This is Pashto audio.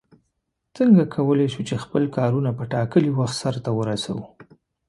څنگه کولای شو چې خپل کارونه په ټاکلي وخت سرته ورسوو؟